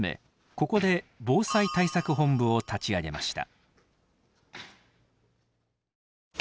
ここで防災対策本部を立ち上げました。